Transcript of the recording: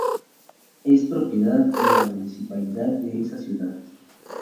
Es propiedad de la municipalidad de esa ciudad.